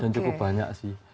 dan cukup banyak sih